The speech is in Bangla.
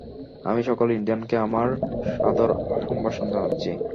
আমি সকল ইন্ডিয়ানকে আমার সাদর সম্ভাষণ জানাচ্ছি।